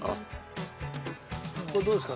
これどうですか？